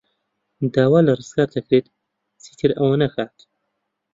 داوا لە ڕزگار دەکرێت چیتر ئەوە نەکات.